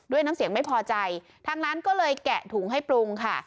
น้ำเสียงไม่พอใจทางร้านก็เลยแกะถุงให้ปรุงค่ะ